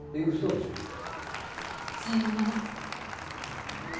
ウソでしょ？さようなら。